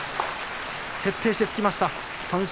徹底して突きました。